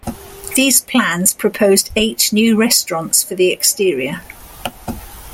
These plans proposed eight new restaurants for the exterior.